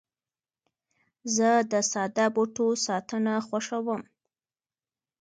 زه د ساده بوټو ساتنه خوښوم.